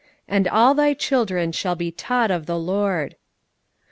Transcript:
"And all thy children shall be taught of the Lord."